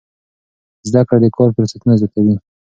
زده کړه د کار فرصتونه زیاتوي.